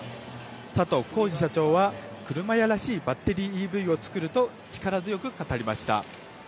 佐藤恒治社長は車屋らしいバッテリーＥＶを作ると力強く語りました。